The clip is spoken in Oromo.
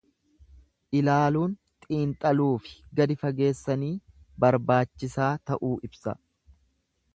ilaaluun Xiinxaluufi gadi fageessanii barbaachisaa ta'uu ibsa.